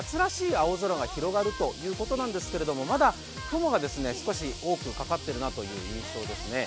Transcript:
青空が広がるということなんですけれどもまだ雲が少し多くかかっているという印象ですね。